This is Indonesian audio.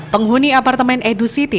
penghuni apartemen edu city